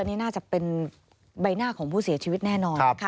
นี่น่าจะเป็นใบหน้าของผู้เสียชีวิตแน่นอนนะคะ